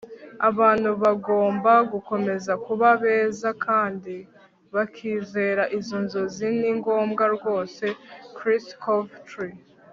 abantu bagomba gukomeza kuba beza kandi bakizera izo nzozi. ni ngombwa rwose. - kirsty coventry